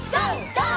ＧＯ！